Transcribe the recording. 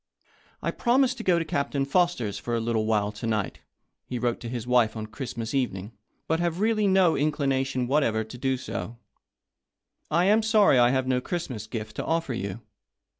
" I promised to go to Captain Foster's for a little while to night," he wrote to his wife on Christ mas evening, " but have really no inclination what ever to do so. I am sorry I have no Christmas gift to offer you.